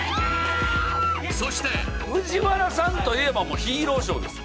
そしてＦＵＪＩＷＡＲＡさんといえばもう「ヒーローショー」です